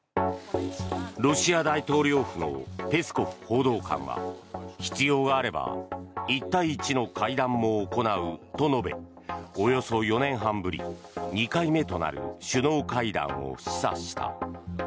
ロシア大統領府のペスコフ報道官は必要があれば１対１の会談も行うと述べおよそ４年半ぶり、２回目となる首脳会談を示唆した。